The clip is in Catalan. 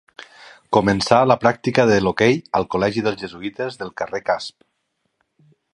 Començà la pràctica de l'hoquei al col·legi dels Jesuïtes del carrer Casp.